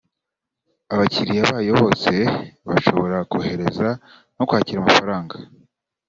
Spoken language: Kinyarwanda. abakiriya bayo bose bashobora kohereza no kwakira amafanga